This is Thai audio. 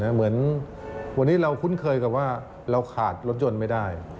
เหมือนวันนี้เราคุ้นเคยกับว่าเราขาดรถยนต์ไม่ได้